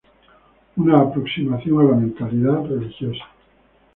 Una aproximación a la mentalidad religiosa.